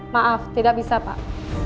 maaf tidak bisa pak